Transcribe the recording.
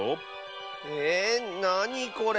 えなにこれ？